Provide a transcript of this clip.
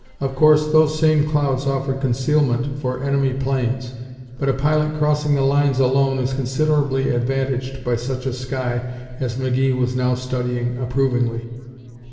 Of course, those same clouds offered concealment for enemy planes, but a pilot crossing the lines alone is considerably advantaged by such a sky as McGee was now studying approvingly.